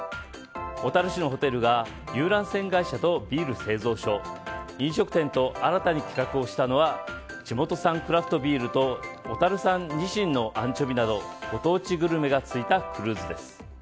小樽市のホテルが遊覧船会社とビール製造所飲食店と新たに企画をしたのは地元産クラフトビールと小樽産ニシンのアンチョビなどご当地グルメがついたクルーズです。